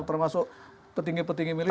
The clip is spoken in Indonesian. termasuk petinggi petinggi militer